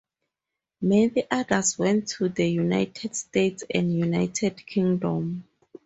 Many others went to the United States and United Kingdom.